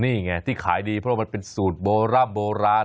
นี่ไงที่ขายดีเพราะมันเป็นสูตรโบร่ำโบราณ